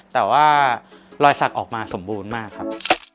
แต่ว่ารอยสักออกมาสมบูรณ์มากครับ